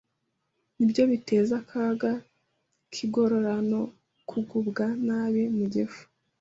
ni byo biteza akaga k’igogora no kugubwa nabi mu gifu.